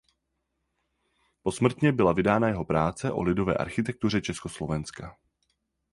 Posmrtně byla vydána jeho práce o lidové architektuře Československa.